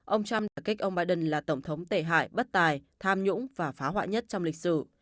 ông trump đã kích ông biden là tổng thống tề hải bất tài tham nhũng và phá hoại nhất trong lịch sử